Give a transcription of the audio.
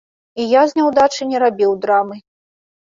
І я з няўдачы не рабіў драмы.